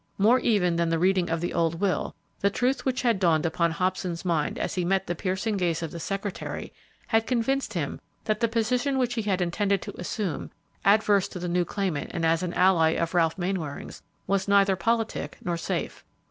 More even than the reading of the old will, the truth which had dawned upon Hobson's mind as he met the piercing gaze of the secretary, had convinced him that the position which he had intended to assume, adverse to the new claimant and as an ally of Ralph Mainwaring's, was neither politic nor safe.